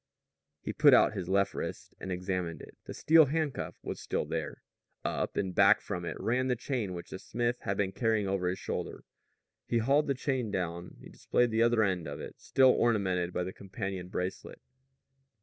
He put out his left wrist and examined it. The steel handcuff was still there. Up and back from it ran the chain which the smith had been carrying over his shoulder. He hauled the chain down. He displayed the other end of it, still ornamented by the companion bracelet.